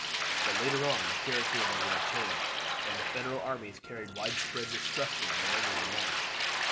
But later on the character of the war changed, and the Federal armies carried wide spread destruction wherever they marched.